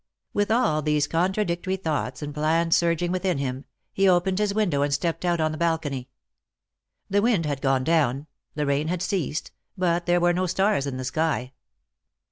With all these contradictory thoughts and plans surg ing within him, he opened his window and stepped out on the balcony. The wind had gone down ; the rain had ceased, but there were no stars in the sky.